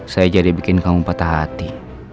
saya jadi bikin kamu patah hati